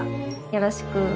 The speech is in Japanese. よろしく。